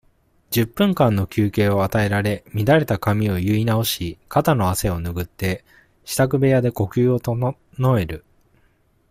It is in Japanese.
十分間の休憩を与えられ、乱れた髪を結い直し、肩の汗をぬぐって、支度部屋で呼吸を整える。